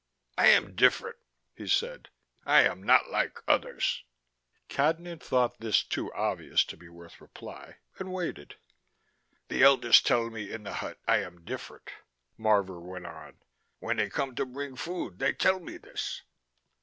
"I am different," he said, "I am not like others." Cadnan thought this too obvious to be worth reply, and waited. "The elders tell me in the hut I am different," Marvor went on. "When they come to bring food they tell me this."